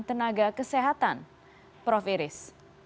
tenaga kesehatan prof iris